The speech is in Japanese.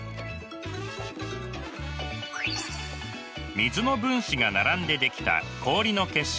水の分子が並んで出来た氷の結晶です。